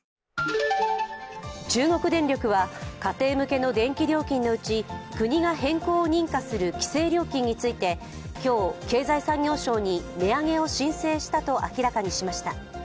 中国電力は家庭向けの電気料金のうち国が変更を認可する規制料金について今日、経済産業省に値上げを申請したと明らかにしました。